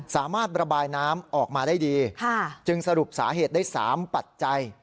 สามารถระบายน้ำออกมาได้ดีจึงสรุปสาเหตุได้๓ปัจจัย